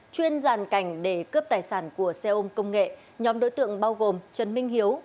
chuyên giàn cảnh để cướp tài sản của xe ôm công nghệ nhóm đối tượng bao gồm trần minh hiếu